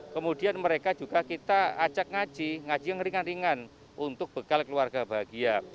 kemudian mereka juga kita ajak ngaji ngaji yang ringan ringan untuk bekal keluarga bahagia